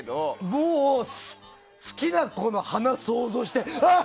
もう好きな子の鼻想像してああ！